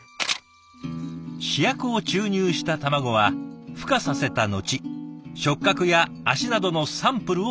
試薬を注入した卵はふ化させた後触角や足などのサンプルを採取。